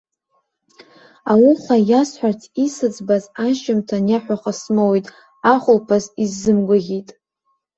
Ауха иасҳәарц исыӡбаз ашьжьымҭан иаҳәаха смоут, ахәылԥаз исзымгәаӷьит.